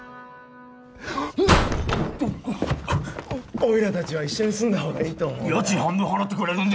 おいら達は一緒に住んだほうがいいと思うんだ